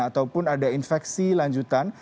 ataupun ada infeksi lanjutan